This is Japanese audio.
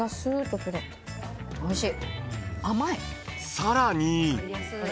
［さらに］